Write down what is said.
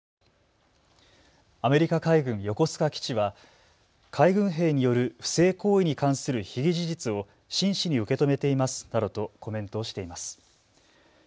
アメリカ海軍横須賀基地は海軍兵による不正行為に関する被疑事実を真摯に受け止めていますなどとコメントしています。